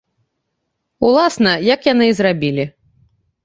Уласна, як яны і зрабілі.